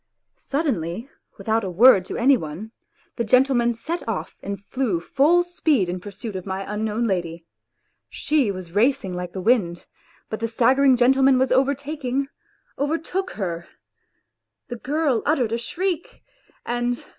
Suddenly, without a word to any one, the gentleman set off and flew full speed in pursuit of my unknown lady. She was racing like the wind, but the staggering gentleman was over taking overtook her. The girl uttered a shriek, and